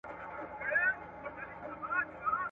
بې طرفي د علم شرط دی.